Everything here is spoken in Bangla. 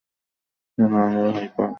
শোনো, আমিও হাইপার-স্পীডে পৌঁছেছি।